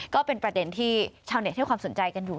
ก็เป็นประเด็นที่ชาวเน็ตให้ความสนใจกันอยู่